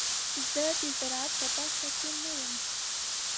زه د زراعت په برخه کې نه یم.